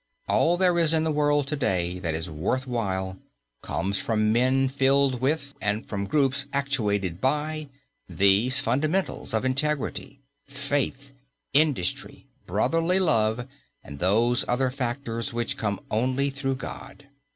All there is in the world to day that is worth while comes from men filled with, and from groups actuated by, these fundamentals of integrity, faith, industry, brotherly love and those other factors which come only through God.